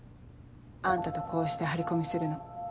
あんたとこうして張り込みするの。